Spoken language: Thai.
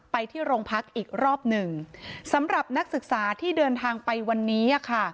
ไปที่โรงพักอีกรอบหนึ่งสำหรับนักศึกษาที่เดินทางไปวันนี้